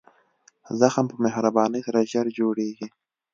زخم په مهربانۍ سره ژر جوړېږي.